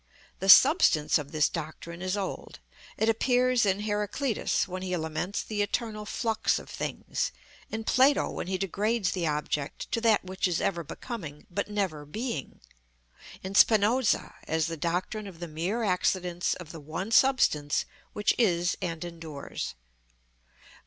The substance of this doctrine is old: it appears in Heraclitus when he laments the eternal flux of things; in Plato when he degrades the object to that which is ever becoming, but never being; in Spinoza as the doctrine of the mere accidents of the one substance which is and endures.